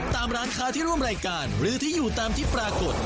ตามร้านค้าที่ร่วมรายการหรือที่อยู่ตามที่ปรากฏ